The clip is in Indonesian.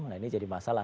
nah ini jadi masalah